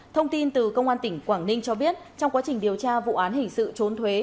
thông tin từ công an tỉnh quảng ninh cho biết trong quá trình điều tra vụ án hình sự trốn thuế